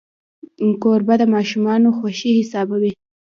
کوربه د ماشومانو خوښي حسابوي.